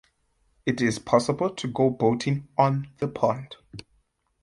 It is possible to go boating on the pond.